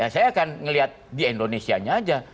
saya akan melihat di indonesia nya aja